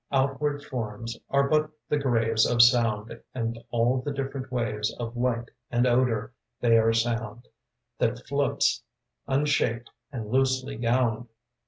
Outward forms are but the graves Of sound, and all the different waves Of light and odor, they are sound That floats unshaped and loosely gowned.